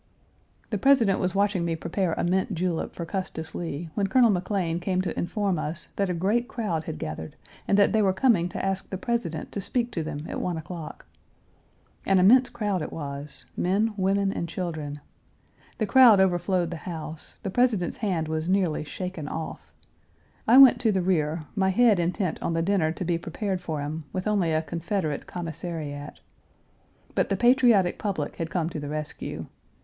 The President was watching me prepare a mint julep for Custis Lee when Colonel McLean came to inform us that a great crowd had gathered and that they were coming to ask the President to speak to them at one o'clock. An immense crowd it was men, women, and children. The crowd overflowed the house, the President's hand was nearly shaken off. I went to the rear, my head intent on the dinner to be prepared for him, with only a Confederate commissariat.. But the patriotic public had come to the rescue.